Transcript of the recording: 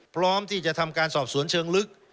พร้อมที่จะทำการสอบสวนเชิงลึก